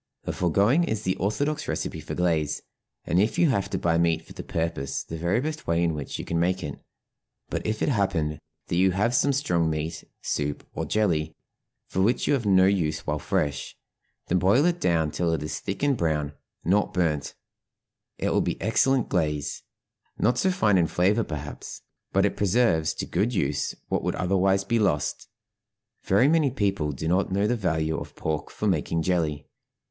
The foregoing is the orthodox recipe for glaze, and if you have to buy meat for the purpose the very best way in which you can make it; but if it happen that you have some strong meat soup or jelly, for which you have no use while fresh, then boil it down till it is thick and brown (not burnt); it will be excellent glaze; not so fine in flavor, perhaps, but it preserves to good use what would otherwise be lost. Very many people do not know the value of pork for making jelly.